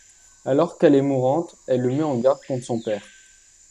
Alors qu'elle est mourante, elle le met en garde contre son père.